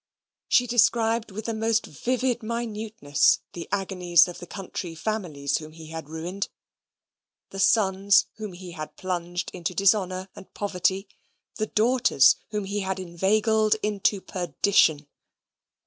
She described with the most vivid minuteness the agonies of the country families whom he had ruined the sons whom he had plunged into dishonour and poverty the daughters whom he had inveigled into perdition.